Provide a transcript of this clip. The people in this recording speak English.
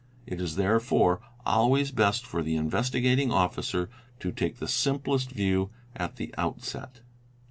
It is therefore _ always best for the Investigating Officer to take the simplest view at the outset.